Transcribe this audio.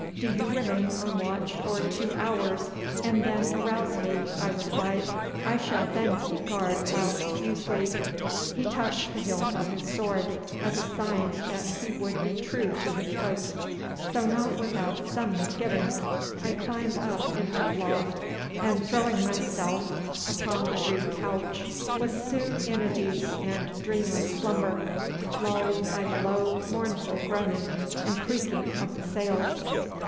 'Do you remain on watch for two hours and then arouse me,' I replied. 'I shall then keep guard whilst you sleep.' He touched the hilt of his sword as a sign that he would be true to his post, so not without some misgivings I climbed up into the loft, and throwing myself upon the rude couch was soon in a deep and dreamless slumber, lulled by the low, mournful groaning and creaking of the sails.